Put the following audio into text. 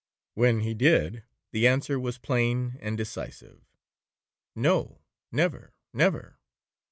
When he did, the answer was plain and decisive, 'No, never, never.